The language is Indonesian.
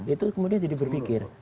itu kemudian jadi berpikir